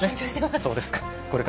そうですか。